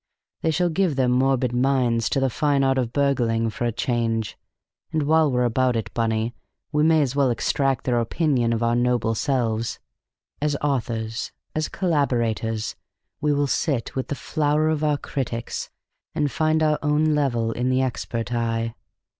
They shall give their morbid minds to the fine art of burgling, for a change; and while we're about it, Bunny, we may as well extract their opinion of our noble selves. As authors, as collaborators, we will sit with the flower of our critics, and find our own level in the expert eye.